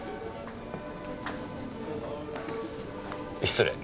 失礼。